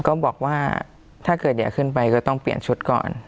ก็บอกว่าถ้าเกิดอยากขึ้นไปก็ต้องเปลี่ยนชุดก่อน